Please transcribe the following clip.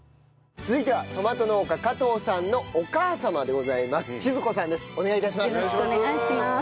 続いてはトマト農家加藤さんのお母様でございます千鶴子さんです。